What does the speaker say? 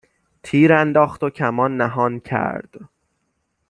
تیرانداخت و کمان نهان کرد